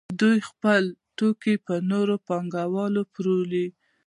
دوی خپل توکي په نورو پانګوالو پلوري